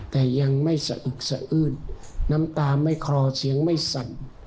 แต่ยังไม่สะอึกสะอื้นน้ำตาไม่คลอเสียงไม่สั่น